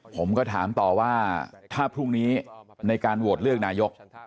ผมก็ถามต่อว่าถ้าพรุ่งนี้ในการโหวตเลือกนายก